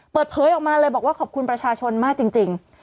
เปิดเผยออกมาเลยบอกว่าขอบคุณประชาชนมากจริง